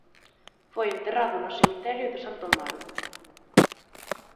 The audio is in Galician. Foi enterrado no cemiterio de Santo Amaro.